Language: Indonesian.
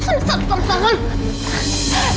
masuk masuk masuk